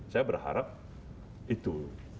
saya berharap itu